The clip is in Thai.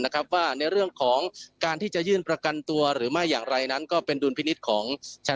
ว่าในเรื่องของการที่จะยื่นประกันตัวหรือไม่อย่างไรนั้นก็เป็นดุลพินิษฐ์ของชั้น